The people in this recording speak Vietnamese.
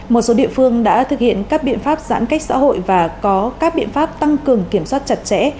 một số địa phương đã thực hiện các biện pháp giãn cách xã hội và có các biện pháp tăng cường kiểm soát chặt chẽ